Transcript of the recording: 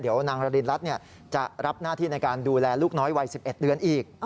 เดี๋ยวนางระดินรัฐจะรับหน้าที่ในการดูแลลูกน้อยวัย๑๑เดือนอีก